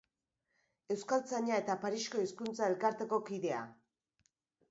Euskaltzaina eta Parisko Hizkuntza Elkarteko kidea.